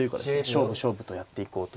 勝負勝負とやっていこうと。